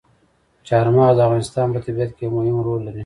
چار مغز د افغانستان په طبیعت کې یو مهم رول لري.